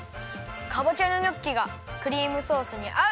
かぼちゃのニョッキがクリームソースにあう！